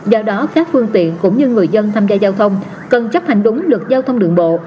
do đó các phương tiện cũng như người dân tham gia giao thông cần chấp hành đúng luật giao thông đường bộ